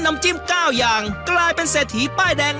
น้ำจิ้ม๙อย่างกลายเป็นเศรษฐีป้ายแดง